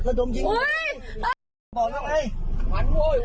คำนู้นแล้วคำนู้นแล้ว